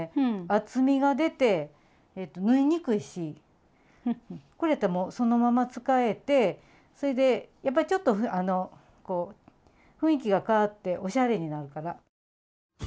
厚みが出て縫いにくいしこれやったらもうそのまま使えてそれでやっぱりちょっとこう雰囲気がかわっておしゃれになるから。